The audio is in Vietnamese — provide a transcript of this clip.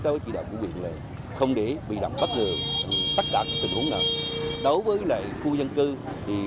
đó chỉ đọc của huyện là không để bị đọc bất ngờ tất cả tình huống nào đối với lại khu dân cư thì